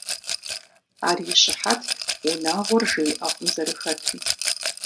Ар и щыхьэтт унагъуэр жей ӀэфӀым зэрыхэтым.